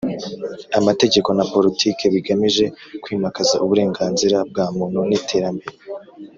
Amategeko na politiki bigamije kwimakaza uburenganzira bwa muntu n iterambere